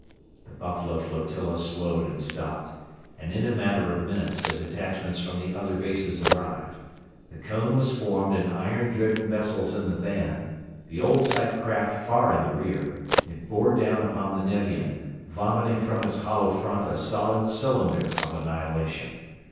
The Buffalo flotilla slowed and stopped, and in a matter of minutes the detachments from the other bases arrived. The cone was formed and iron driven vessels in the van, the old type craft far in the rear, it bore down upon the Nevian, vomiting from its hollow front a solid cylinder of annihilation.